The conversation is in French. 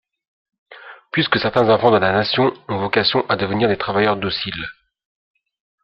puisque certains enfants de la nation ont vocation à devenir des travailleurs dociles ?